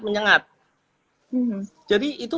menyengat jadi itu